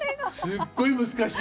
すっごい難しい。